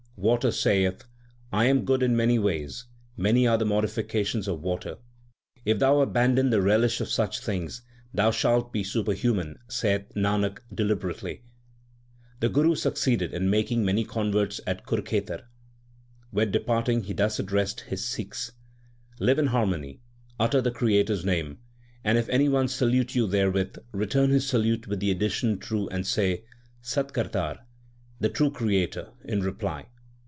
Water saith, I am good in many ways ; many are the modifications of water. If thou abandon the relish of such things, thou shalt be superhuman, saith Nanak deliberately. 3 The Guru succeeded in making many converts at Kurkhetar. When departing, he thus addressed his Sikhs : Live in harmony, utter the Creator s name, and if any one salute you therewith, return his salute with the addition true, and say " Sat Kartar ", the True Creator, in reply.